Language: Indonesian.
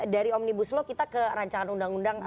dari omnibus law kita ke rancangan undang undang